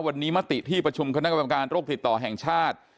วันนี้มติที่ประชุมคณะกรรมการโรคติดต่อแห่งชาติ